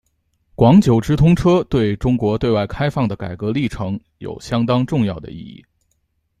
广九直通车对中国对外开放的改革历程有相当重要的意义。